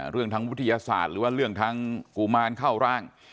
เรื่องทั้งวิทยาศาสตร์หรือว่าเรื่องทั้งกุมารเข้าร่าง